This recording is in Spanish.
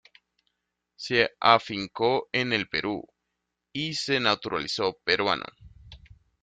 Se afincó en el Perú y se naturalizó peruano.